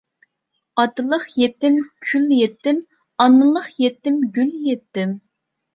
ئاتىلىق يېتىم كۈل يېتىم، ئانىلىق يېتىم گۈل يېتىم.